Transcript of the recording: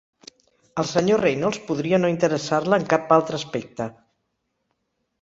El sr. Reynolds podria no interessar-la en cap altre aspecte.